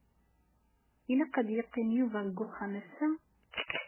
Ilaq ad yeqqim Yuba deg uxxam ass-a?